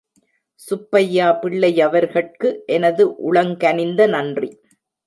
சுப்பையா பிள்ளையவர்கட்கு எனது உளங்கனிந்த நன்றி.